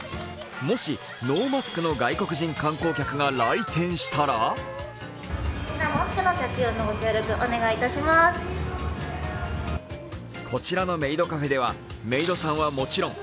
もしノーマスクの外国人観光客が来店したらこちらのメイドカフェでは、メイドさんはもちろん